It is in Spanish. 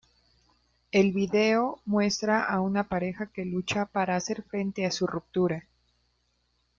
El vídeo muestra a una pareja que lucha para hacer frente a su ruptura.